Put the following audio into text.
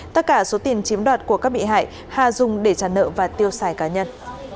tất cả số tiền chiếm đoạt của các bị hại hà dùng để trả nợ và tiêu xài cá nhân